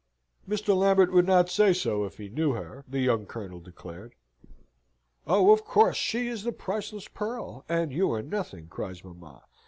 "Mr. Lambert would not say so if he knew her," the young Colonel declared. "Oh, of course, she is the priceless pearl, and you are nothing," cries mamma.